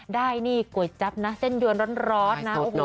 ได้นี่กลัวจับนะเส้นดวนร้อนนะ